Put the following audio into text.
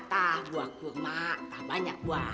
tah buah kurma tah banyak buah